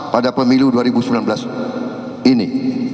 pada pemilu dua ribu sembilan belas ini